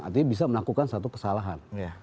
artinya bisa melakukan satu kesalahan